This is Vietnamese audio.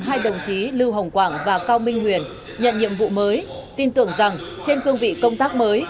hai đồng chí lưu hồng quảng và cao minh huyền nhận nhiệm vụ mới tin tưởng rằng trên cương vị công tác mới